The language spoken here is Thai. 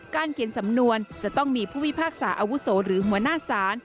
เขียนสำนวนจะต้องมีผู้พิพากษาอาวุโสหรือหัวหน้าศาล